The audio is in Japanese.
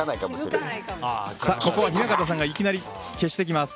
ここは雛形さんがいきなり消してきます。